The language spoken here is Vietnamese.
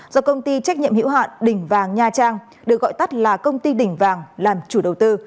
do công ty trách nhiệm hữu hạn đỉnh vàng nha trang được gọi tắt là công ty đỉnh vàng làm chủ đầu tư